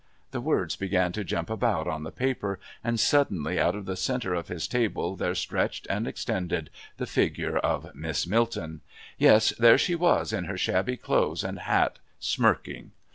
The words began to jump about on the paper, and suddenly out of the centre of his table there stretched and extended the figure of Miss Milton. Yes, there she was in her shabby clothes and hat, smirking....